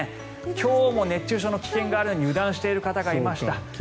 今日も熱中症の危険があるのに油断している方がいました。